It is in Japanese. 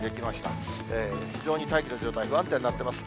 非常に大気の状態、不安定になってます。